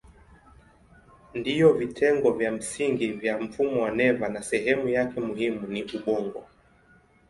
Ndiyo vitengo vya msingi vya mfumo wa neva na sehemu yake muhimu ni ubongo.